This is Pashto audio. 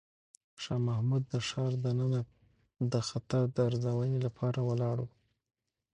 شاه محمود د ښار دننه د خطر د ارزونې لپاره ولاړ و.